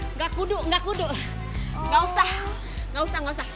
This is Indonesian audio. nggak kuduk nggak kuduk nggak usah nggak usah nggak usah